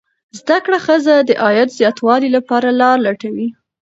زده کړه ښځه د عاید زیاتوالي لپاره لارې لټوي.